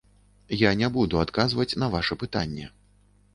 Я не буду адказваць на ваша пытанне.